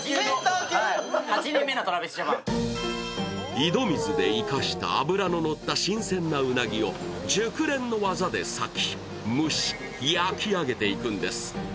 井戸水で生かした脂ののった新鮮なうなぎを熟練の技で割き、蒸し、焼き上げていくんです。